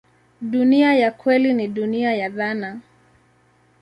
Dunia ya kweli ni dunia ya dhana.